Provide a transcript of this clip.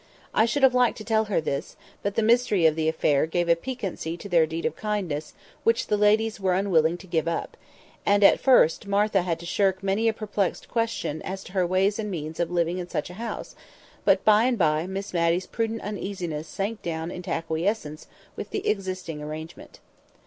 I should have liked to tell her this, but the mystery of the affair gave a piquancy to their deed of kindness which the ladies were unwilling to give up; and at first Martha had to shirk many a perplexed question as to her ways and means of living in such a house, but by and by Miss Matty's prudent uneasiness sank down into acquiescence with the existing arrangement.